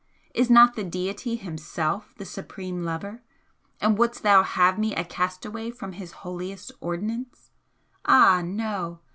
Is not the Deity Himself the Supreme Lover? and wouldst thou have me a castaway from His holiest ordinance? Ah no!